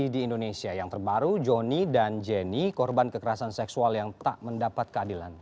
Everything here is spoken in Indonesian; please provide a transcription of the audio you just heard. di indonesia yang terbaru johnny dan jenny korban kekerasan seksual yang tak mendapat keadilan